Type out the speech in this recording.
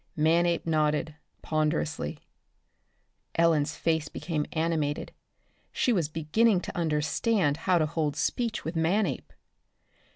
Manape nodded, ponderously. Ellen's face became animated. She was beginning to understand how to hold speech with Manape.